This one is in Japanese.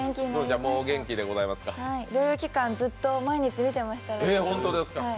療養期間、ずっと毎日見てました。